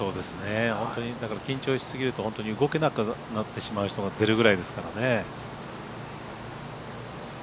本当に、緊張しすぎると本当に動けなくなってしまう人も出るぐらいですからね。